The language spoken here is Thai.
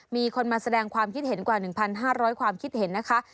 มีคนมาแสดงความคิดเห็นกว่า๑๕๐๐ความคิดเห็นนะคะ